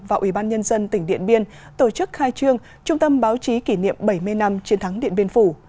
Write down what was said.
và ủy ban nhân dân tỉnh điện biên tổ chức khai trương trung tâm báo chí kỷ niệm bảy mươi năm chiến thắng điện biên phủ